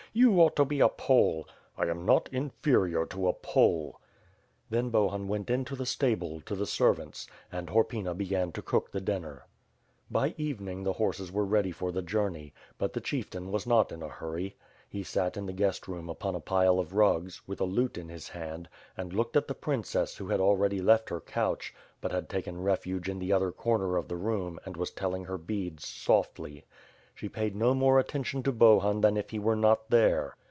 You ought to be a Pole." "I am not inferior to a Pole." Then Bohun went into the stable, to the servants; and Hor pyna began to cook the dinner. By evening, the horses were ready for the journey; but the chieftain was not in a hurry. He sat in the guest room upon a pile of rugs, with a lute in his hand, and looked at the princess who had already left her couch, but had taken refuge in the other comer of the room and was telling her beads softly. She paid no more attention to Bohun than if he were not there.